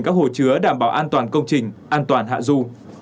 các hồ chứa đảm bảo an toàn công trình an toàn hạ du